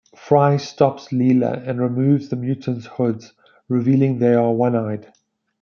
Fry stops Leela and removes the mutants' hoods, revealing they are one-eyed.